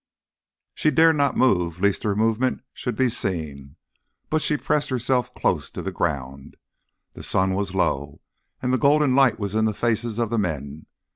She dared not move lest her movement should be seen, but she pressed herself close to the ground. The sun was low and the golden light was in the faces of the men.